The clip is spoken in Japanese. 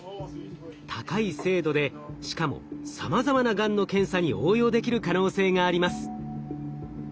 高い精度でしかもさまざまながんの検査に応用できる可能性があります。